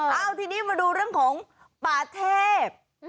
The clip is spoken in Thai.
เอาทีนี้มาดูเรื่องของป่าเทพ